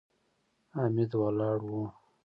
حميد ولاړ و.